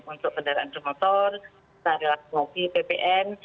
untuk penderaan termotor relaksasi ppn